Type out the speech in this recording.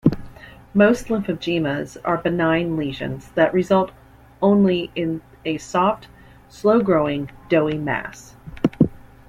Most lymphangiomas are benign lesions that result only in a soft, slow-growing, "doughy" mass.